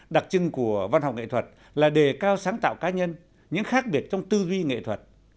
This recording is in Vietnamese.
đặc trưng của văn học nghệ thuật là đề cao sáng tạo cá nhân những khác biệt trong tư duy nghệ thuật